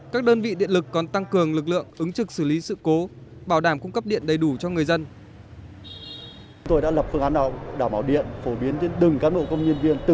các đơn vị điện lực còn tăng cường lực lượng ứng trực xử lý sự cố bảo đảm cung cấp điện đầy đủ cho người dân